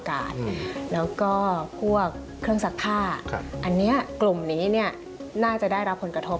อันนี้กลุ่มนี้น่าจะได้รับผลกระทบ